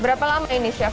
berapa lama ini chef